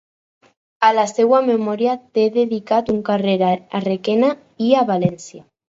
A la seua memòria té dedicat un carrer a Requena i a València.